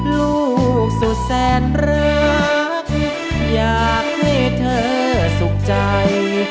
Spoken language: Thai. ลูกสุดแสนรักอยากให้เธอสุขใจ